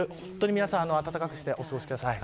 皆さん暖かくしてお過ごしください。